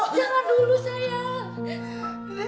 jangan dulu sayang